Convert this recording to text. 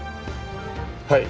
はい。